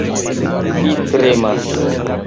Vi tremas.